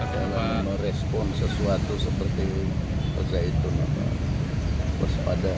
kalau mau respon sesuatu seperti pak zaitun harus pada